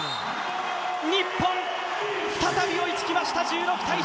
日本再び追いつきました。